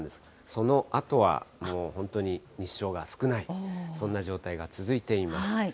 そのあとはもう本当に日照が少ない、そんな状態が続いています。